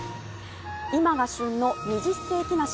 今が旬の、二十世紀梨。